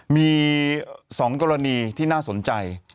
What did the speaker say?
มี๒กรณีที่น่าสนใจ